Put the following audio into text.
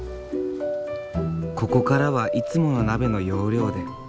ここからはいつもの鍋の要領で。